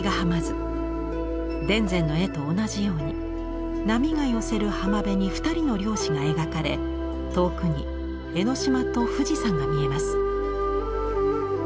田善の絵と同じように波が寄せる浜辺に２人の漁師が描かれ遠くに江ノ島と富士山が見えます。